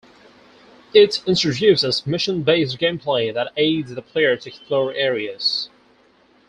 It introduces mission-based gameplay that aids the player to explore areas.